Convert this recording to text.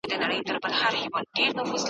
ډېری ځوانان پرته